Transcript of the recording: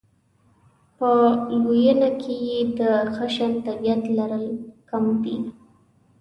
په لویېنه کې یې د خشن طبعیت لرل کم وي.